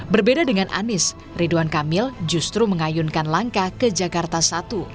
berbeda dengan anies ridwan kamil justru mengayunkan langkah ke jakarta satu